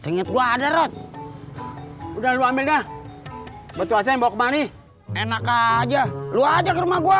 singgah ada rod udah lu ambil dah betul betul mau kemari enak aja lu aja ke rumah gua